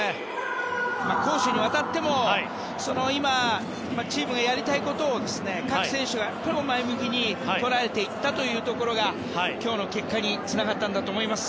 攻守にわたっても今、チームがやりたいことを各選手が前向きに捉えていったことが今日の結果につながったんだと思います。